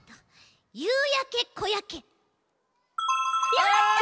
やったち！